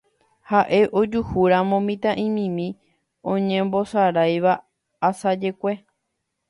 Ha'e ojuhúramo mitã'imimi oñembosaráiva asajekue